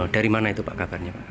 dari mana itu pak kabarnya pak